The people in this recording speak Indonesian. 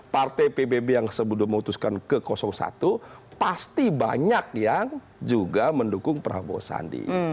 partai pbb yang sebelum memutuskan ke satu pasti banyak yang juga mendukung prabowo sandi